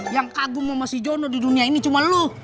yang kagum sama si jono di dunia ini cuma lo